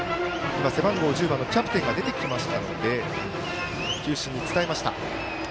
背番号１０番のキャプテンが出てきましたので球審に伝えました。